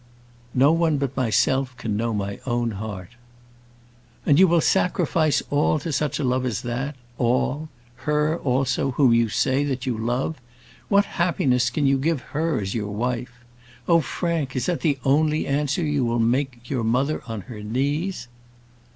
"No one but myself can know my own heart." "And you will sacrifice all to such a love as that, all; her, also, whom you say that you so love? What happiness can you give her as your wife? Oh, Frank! is that the only answer you will make your mother on her knees?